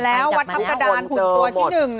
แล้ววัดทัพกระดานหุ่นตัวที่๑